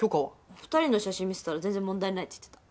２人の写真見せたら全然問題ないって言ってた。